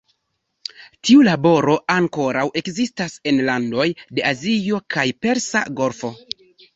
Tiu laboro ankoraŭ ekzistas en landoj de Azio kaj Persa Golfo.